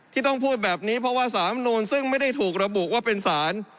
ที่ต้องพูดแบบนี้เพราะว่าสารมนูลซึ่งไม่ได้ถูกระบุว่าเป็นสาร